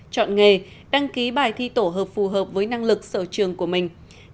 chọn nghề đăng ký bài thi tổ hợp phù hợp với năng lực sở trường của mình